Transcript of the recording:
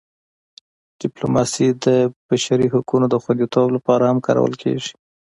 ډیپلوماسي د بشري حقونو د خوندیتوب لپاره هم کارول کېږي.